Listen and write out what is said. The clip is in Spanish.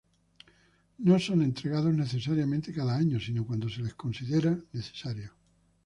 No son entregados necesariamente cada año, sino cuando se le considera necesario.